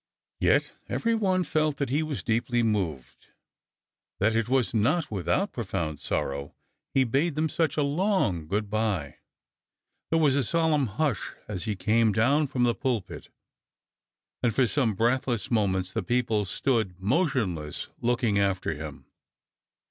Yet every one felt that he was deeply moved ; that it was not without profound sorrow he bade them such a long good bye. There was a solemn hush as he came down from the pulpit, and for some breathless moments the people stood motionless, looking after him.